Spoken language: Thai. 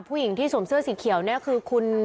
ผู้หญิงที่สวมเสื้อสีเขียวเนี่ยคือคุณ